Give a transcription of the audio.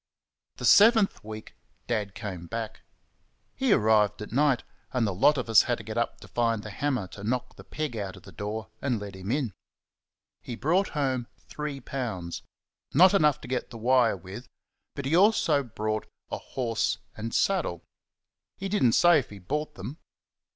The seventh week Dad came back. He arrived at night, and the lot of us had to get up to find the hammer to knock the peg out of the door and let him in. He brought home three pounds not enough to get the wire with, but he also brought a horse and saddle. He did n't say if he bought them.